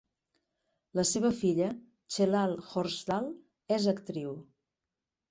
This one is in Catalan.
La seva filla, Chelah Horsdal, és actriu.